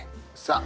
さあ。